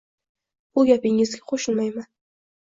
Bu gapingizga qo`shilmayman